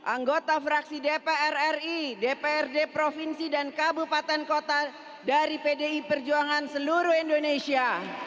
anggota fraksi dpr ri dprd provinsi dan kabupaten kota dari pdi perjuangan seluruh indonesia